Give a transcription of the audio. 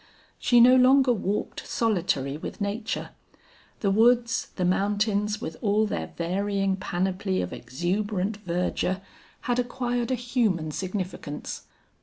She no longer walked solitary with nature. The woods, the mountains with all their varying panoply of exuberant verdure, had acquired a human significance.